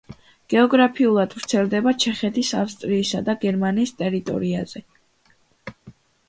გეოგრაფიულად ვრცელდება ჩეხეთის, ავსტრიისა და გერმანიის ტერიტორიაზე.